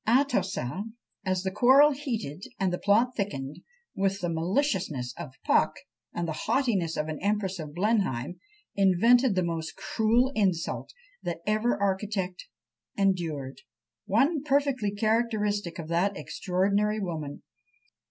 Atossa, as the quarrel heated and the plot thickened, with the maliciousness of Puck, and the haughtiness of an empress of Blenheim, invented the most cruel insult that ever architect endured! one perfectly characteristic of that extraordinary woman.